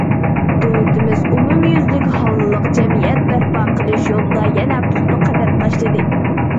دۆلىتىمىز ئومۇميۈزلۈك ھاللىق جەمئىيەت بەرپا قىلىش يولىدا يەنە پۇختا قەدەم تاشلىدى.